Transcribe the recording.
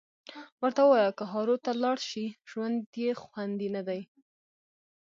ورته ووایه که هارو ته لاړ شي ژوند یې خوندي ندی